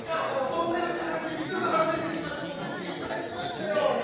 トンネルに入ってすぐはぐれてしまったのでしんぱいしましたよ！